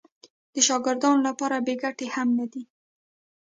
د شاګردانو لپاره بې ګټې هم نه دي.